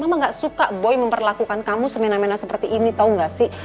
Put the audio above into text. mama gak suka boy memperlakukan kamu semena mena seperti ini tau gak sih